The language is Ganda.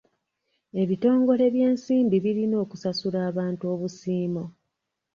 Ebitongole by'ensimbi birina okusasula abantu obusiimo.